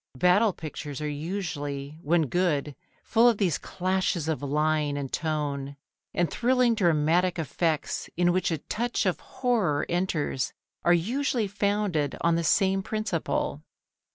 Battle pictures are usually, when good, full of these clashes of line and tone, and thrilling dramatic effects in which a touch of horror enters are usually founded on the same principle.